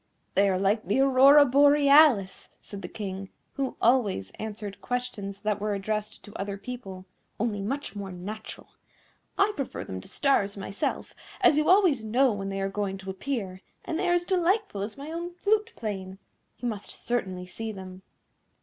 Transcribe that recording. "They are like the Aurora Borealis," said the King, who always answered questions that were addressed to other people, "only much more natural. I prefer them to stars myself, as you always know when they are going to appear, and they are as delightful as my own flute playing. You must certainly see them."